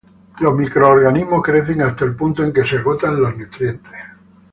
Los microorganismos crecen hasta el punto en que se agotan los nutrientes.